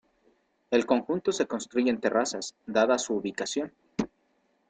El conjunto se construye en terrazas, dada su ubicación.